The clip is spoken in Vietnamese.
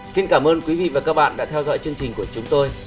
xin cảm ơn quý vị và các bạn đã theo dõi chương trình của chúng tôi